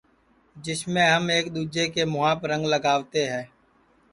جسمیں ہم ایک دؔوجے کے مُہاپ رنگ لگاوتے ہے